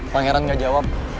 pangeran gak jawab